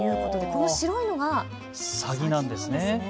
この白いのがサギなんですね。